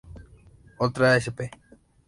Otra sp.